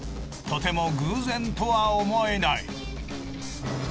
とても偶然とは思えない。